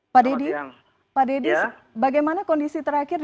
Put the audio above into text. pak deddy bagaimana kondisi terakhir